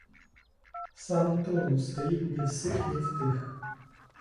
Сам Турн стоїть ні в сих ні в тих;